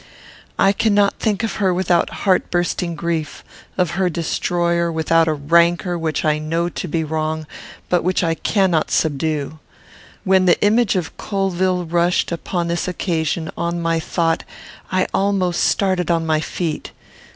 I cannot think of her without heart bursting grief; of her destroyer, without a rancour which I know to be wrong, but which I cannot subdue. When the image of Colvill rushed, upon this occasion, on my thought, I almost started on my feet.